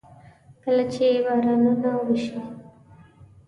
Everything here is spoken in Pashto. کله چې بارانونه وشي.